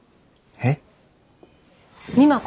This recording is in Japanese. えっ？